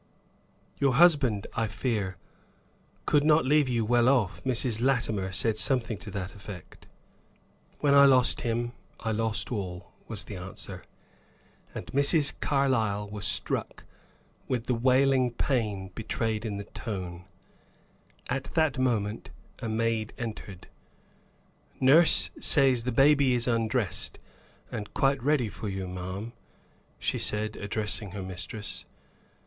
"Your husband, I fear, could not leave you well off. Mrs. Latimer said something to that effect." "When I lost him, I lost all," was the answer. And Mrs. Carlyle was struck with the wailing pain betrayed in the tone. At that moment a maid entered. "Nurse says the baby is undressed, and quite ready for you ma'am," she said, addressing her mistress.